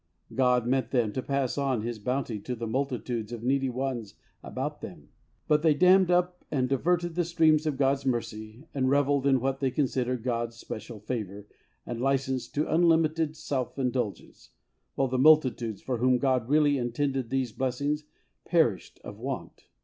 God meant them to pass on His bounty to the multitudes of needy ones about them, but they dammed up and diverted the streams of God's mercy and revelled in what they considered God's special favour and license to unlimited self indulgence, while the multi tudes for whom God really intended these blessings perished of want.